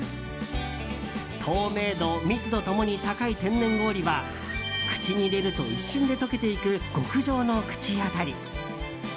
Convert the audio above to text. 透明度、密度ともに高い天然氷は口に入れると一瞬で溶けていく極上の口当たり。